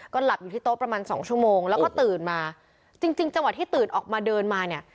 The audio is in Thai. หลับอยู่ที่โต๊ะประมาณสองชั่วโมงแล้วก็ตื่นมาจริงจริงจังหวะที่ตื่นออกมาเดินมาเนี่ย